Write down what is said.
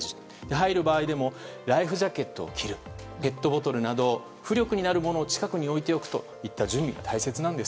入る場合もライフジャケットを着るペットボトルなど浮力になるものを近くに置いておくなど準備が大切なんです。